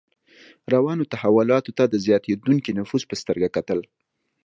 روانو تحولاتو ته د زیاتېدونکي نفوذ په سترګه کتل.